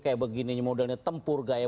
kayak begini modelnya tempur gaya